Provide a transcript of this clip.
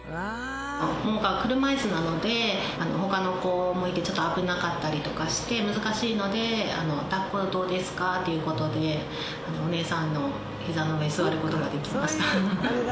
ももかは車いすなので、ほかの子もいて、ちょっと危なかったりとかして、難しいので、だっこでどうですか？ということで、お姉さんのひざの上に座ることができました。